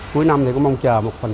cuối năm thì cũng mong chờ một phần